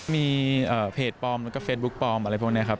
มีเพจปลอมแล้วก็เฟซบุ๊คปลอมอะไรพวกนี้ครับ